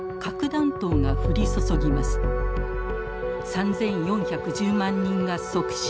３，４１０万人が即死。